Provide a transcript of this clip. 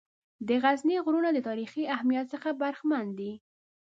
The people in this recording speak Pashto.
د غزني غرونه د تاریخي اهمیّت څخه برخمن دي.